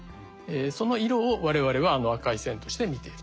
その色を我々はあの赤い線として見ていると。